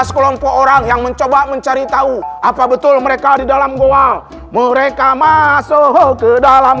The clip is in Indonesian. sekelompok orang yang mencoba mencari tahu apa betul mereka di dalam goa mereka masuk ke dalam